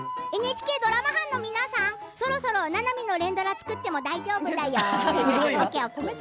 ＮＨＫドラマ班の方々そろそろ、ななみの連ドラ作っても大丈夫だよ。